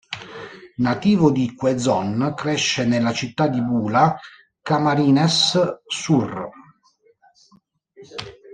Nativo di Quezon, cresce nella città di Bula, Camarines Sur.